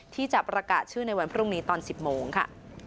ที่จะประกาศชื่อในวันพรุ่งนี้ตอน๑๐โมงค่ะ